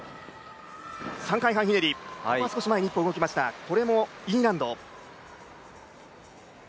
３回ひねり、ここは少し前に一歩動きました、これもＥ難度。